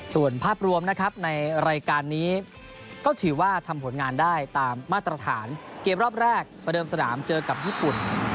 ส่วนภาพรวมนะครับในรายการนี้ก็ถือว่าทำผลงานได้ตามมาตรฐานเกมรอบแรกประเดิมสนามเจอกับญี่ปุ่น